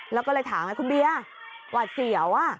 แล้วก็เลยถามให้คุณเบียร์ว่าเสี่ยว